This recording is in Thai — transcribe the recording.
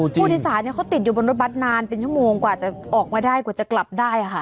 พลุทธศาสตร์ก็ติดอยู่บนรถบัตรนานเป็นชั่วโมงจากจะออกมาได้กว่ากลับได้